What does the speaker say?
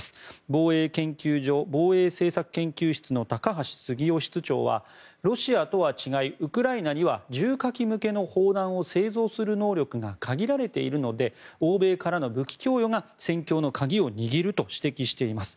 防衛研究所防衛政策研究室の高橋杉雄室長はロシアとは違い、ウクライナには重火器向けの砲弾を製造する能力が限られているので欧米からの武器供与が戦況の鍵を握ると指摘しています。